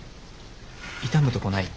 痛むとこない？